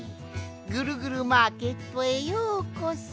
ぐるぐるマーケットへようこそ。